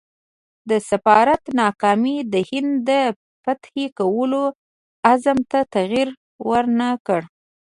د سفارت ناکامي د هند د فتح کولو عزم ته تغییر ورنه کړ.